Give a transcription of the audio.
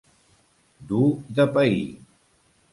Dur de pair.